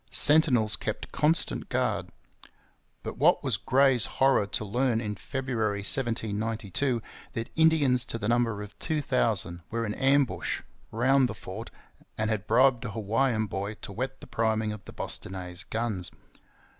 Sentinels kept constant guard; but what was Gray's horror to learn in February 1792 that Indians to the number of two thousand were in ambush round the fort and had bribed a Hawaiian boy to wet the priming of the 'Bostonnais' guns.